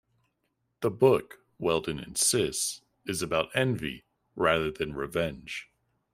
The book, Weldon insists, is about envy, rather than revenge.